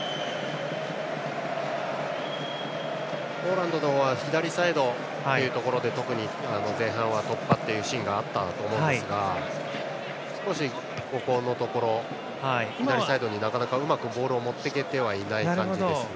ポーランドは左サイドというところで特に前半は突破というシーンがあったと思うんですが少しここのところ左サイドにうまくボールを持っていけていない感じですね。